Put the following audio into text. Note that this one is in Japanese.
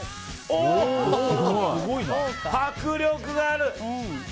迫力がある！